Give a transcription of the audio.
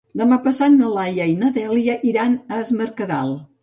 Demà passat na Laia i na Dèlia iran a Es Mercadal.